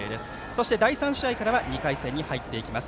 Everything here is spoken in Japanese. そして第３試合からは２回戦に入っていきます。